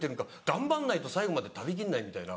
頑張んないと最後まで食べきんないみたいな。